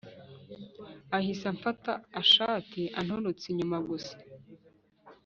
ahise amfata ashati anturutse inyuma gusa